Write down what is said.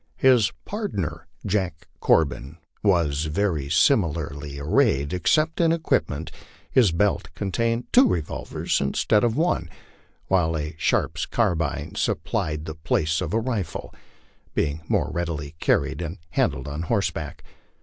His " pardner," Jack Corbin, was very similarly arrayed except in equipment, his belt con taining two revolvers instead of one, while a Sharps carbine supplied the placa of a rifle, being more readily carried and handled on horseback.